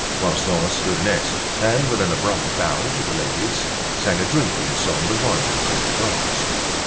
Poisson stood next and with an abrupt bow to the ladies, sang a drinking song: "The Wines of France."